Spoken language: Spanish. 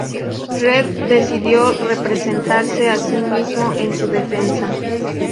Reed decidió representarse a sí mismo en su defensa.